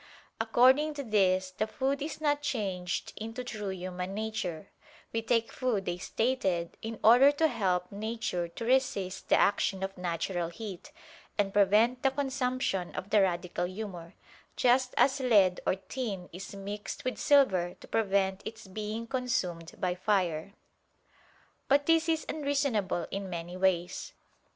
According to these, the food is not changed into true human nature; we take food, they stated, in order to help nature to resist the action of natural heat, and prevent the consumption of the "radical humor"; just as lead or tin is mixed with silver to prevent its being consumed by fire. But this is unreasonable in many ways.